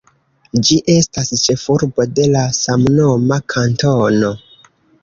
Ĝi estas ĉefurbo de la samnoma kantono.